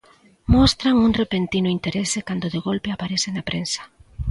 Mostran un repentino interese cando de golpe aparece na prensa.